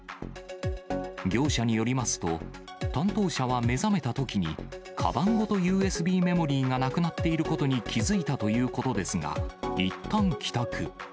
業者によりますと、担当者は目覚めたときに、かばんごとＵＳＢメモリーがなくなっていることに気付いたということですが、いったん帰宅。